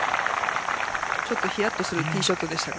ちょっと、ひやっとするティーショットでした。